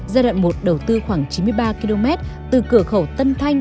giai đoạn một đầu tư khoảng chín mươi ba km từ cửa khẩu tân thanh